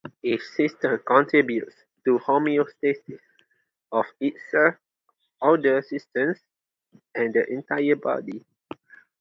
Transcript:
Each system contributes to homeostasis, of itself, other systems, and the entire body.